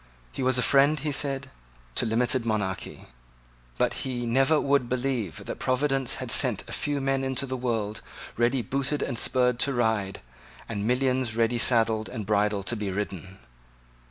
He was a friend, he said, to limited monarchy. But he never would believe that Providence had sent a few men into the world ready booted and spurred to ride, and millions ready saddled and bridled to be ridden.